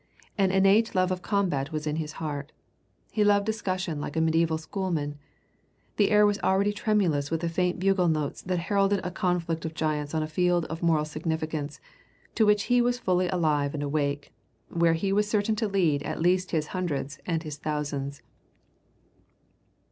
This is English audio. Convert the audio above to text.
An innate love of combat was in his heart; he loved discussion like a medieval schoolman. The air was already tremulous with faint bugle notes that heralded a conflict of giants on a field of moral significance to which he was fully alive and awake, where he was certain to lead at least his hundreds and his thousands.